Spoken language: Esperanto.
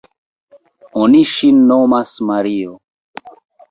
oni ŝin nomas Mario.